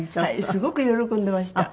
すごく喜んでいました。